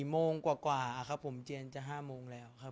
สงฆาตเจริญสงฆาตเจริญ